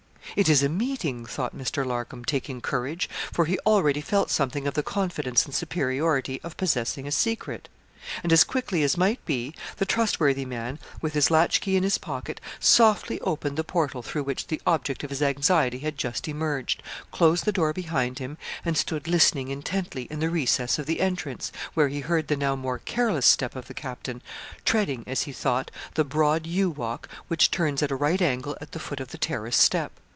It is a meeting, thought Mr. Larcom, taking courage, for he already felt something of the confidence and superiority of possessing a secret; and as quickly as might be, the trustworthy man, with his latch key in his pocket, softly opened the portal through which the object of his anxiety had just emerged, closed the door behind him, and stood listening intently in the recess of the entrance, where he heard the now more careless step of the captain, treading, as he thought, the broad yew walk, which turns at a right angle at the foot of the terrace step.